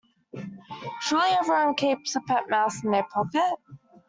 Surely everyone keeps a pet mouse in their pocket?